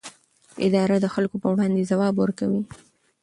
اداره د خلکو پر وړاندې ځواب ورکوي.